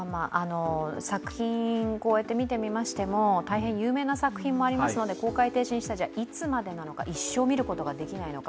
作品を見てみましても、大変有名な作品もありますし公開停止にしたら、いつまでなのか一生見ることができないのか。